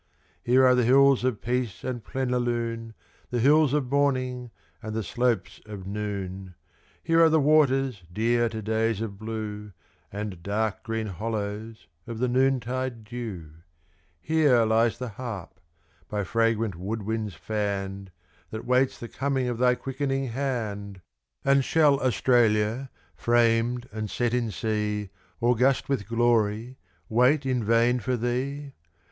Here are the dells of peace and plenilune, The hills of morning and the slopes of noon; Here are the waters dear to days of blue, And dark green hollows of the noontide dew; Here lies the harp, by fragrant wood winds fanned, That waits the coming of thy quickening hand! And shall Australia, framed and set in sea, August with glory, wait in vain for thee?